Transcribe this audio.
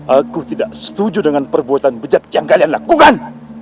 aku tidak setuju dengan perbuatan bijak yang kalian lakukan